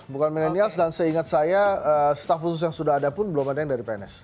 bukan milenials dan seingat saya staf khusus yang sudah ada pun belum ada yang dari pns